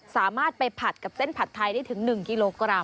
สามารถไปผัดกับเส้นผัดไทยได้ถึง๑กิโลกรัม